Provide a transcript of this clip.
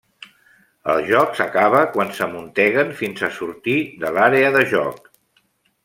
El joc s'acaba quan s'amunteguen fins a sortir de l'àrea de joc.